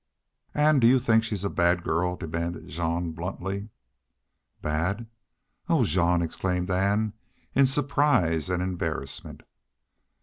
"Ann, do you think she's a bad girl?" demanded Jean, bluntly. "Bad? Oh, Jean!" exclaimed Ann, in surprise and embarrassment.